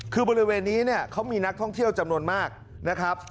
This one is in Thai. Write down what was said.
คือบริเวณนี้เนี่ยเขามีนักท่องเที่ยวจำนวนมากนะครับ